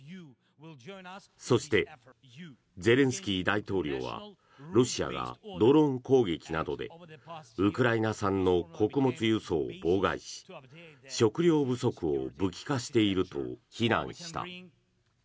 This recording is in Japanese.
そして、ゼレンスキー大統領はロシアがドローン攻撃などでウクライナ産の穀物輸送を妨害し食料不足を武器化していると非難した。